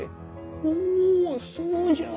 おそうじゃ。